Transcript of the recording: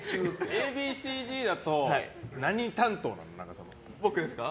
Ａ．Ｂ．Ｃ‐Ｚだと何担当なんですか？